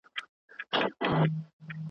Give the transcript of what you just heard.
غږ دي راتله کڼه خو نه وم